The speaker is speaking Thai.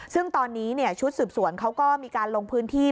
ซึ่งตอนนี้ชุดสืบสวนเขาก็มีการลงพื้นที่